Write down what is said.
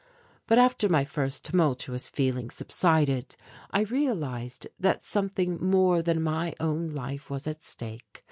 But after my first tumultuous feeling subsided I realized that something more than my own life was at stake.